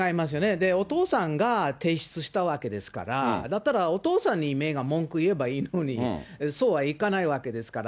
で、お父さんが提出したわけですから、だったらお父さんに、メーガン文句言えばいいのに、そうはいかないわけですから。